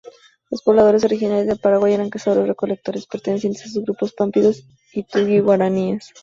Los pobladores originarios de Paraguay eran cazadores-recolectores pertenecientes a grupos pámpidos y tupi-guaraníes.